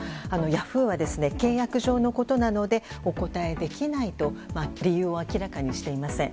ヤフーは契約上のことなのでお答えできないと理由を明らかにしていません。